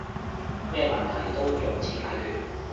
咩問題都用錢解決